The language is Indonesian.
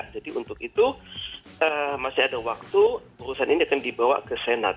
jadi untuk itu masih ada waktu urusan ini akan dibawa ke senat